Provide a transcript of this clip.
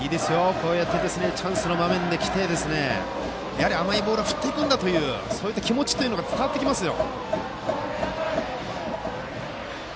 こうしてチャンスの場面に来て甘いボールは振っていくんだというそういった気持ちが伝わってきますよ。